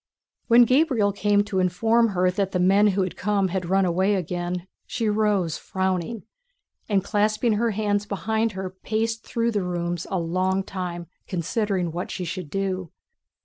When Gabriel came to inform her that the men who had come had run away again, she rose frowning, and clasping her hands behind her paced through the rooms a long time considering what she should do.